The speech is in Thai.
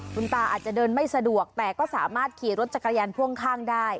คุณตาอาจจะเดินไม่สะดวกแต่ก็สามารถขี่รถจักรยานพ่วงข้างได้